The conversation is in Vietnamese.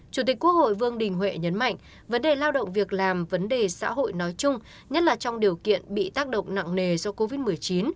chủ tịch quốc hội vương đình huệ nhấn mạnh vấn đề lao động việc làm vấn đề xã hội nói chung nhất là trong điều kiện bị tác động nặng nề do covid một mươi chín